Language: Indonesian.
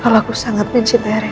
kalau aku sangat mencintai rena